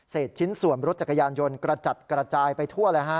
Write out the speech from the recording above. ชิ้นส่วนรถจักรยานยนต์กระจัดกระจายไปทั่วเลยฮะ